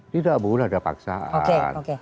tidak boleh ada paksaan